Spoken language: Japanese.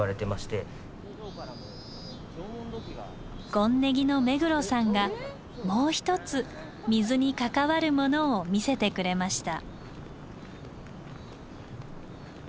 権禰宜の目黒さんがもう一つ水に関わるものを見せてくれました。